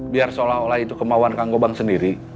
biar seolah olah itu kemauan kang gobang sendiri